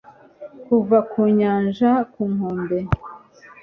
Kuva ku nyanja ku nkombe